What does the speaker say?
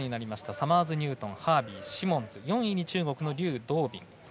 サマーズニュートンハービー、シモンズ４位に中国の劉道敏。